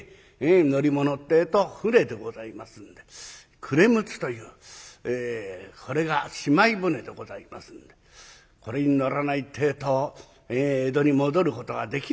乗り物ってえと舟でございますんで暮れ六つというこれがしまい船でございますんでこれに乗らないってえと江戸に戻ることができないというわけで。